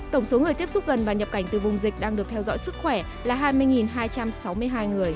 tổng số người tiếp xúc gần và nhập cảnh từ vùng dịch đang được theo dõi sức khỏe là hai mươi hai trăm sáu mươi hai người